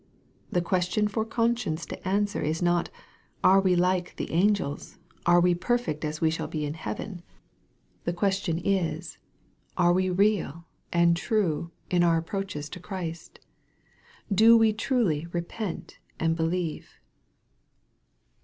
The question for con science to answer is not, " Are we like the angels ? are we perfect as we shall be in heaven ? The question is, MARK, CHAP. V. 87 " Are we real and true in our approaches to Christ ? Do we truly repent and believe